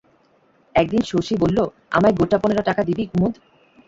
একদিন শশী বলল, আমায় গোটা পনেরো টাকা দিবি কুমুদ?